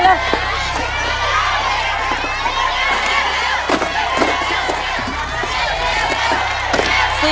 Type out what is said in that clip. โอเคจะหมดมั้ยครับ